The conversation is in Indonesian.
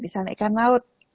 misalnya ikan laut